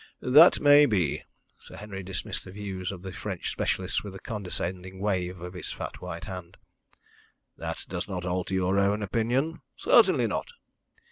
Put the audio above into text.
"That may be." Sir Henry dismissed the views of the French specialists with a condescending wave of his fat white hand. "That does not alter your own opinion?" "Certainly not."